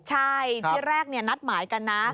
ใช่ที่แรกนัดหมายกันนะ